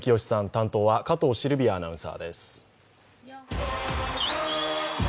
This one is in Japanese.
担当は加藤シルビアアナウンサーです。